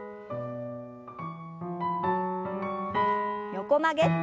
横曲げ。